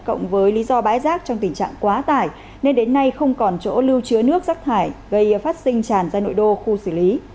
cộng với lý do bãi rác trong tình trạng quá tải nên đến nay không còn chỗ lưu chứa nước rắc thải gây phát sinh tràn ra nội đô khu xử lý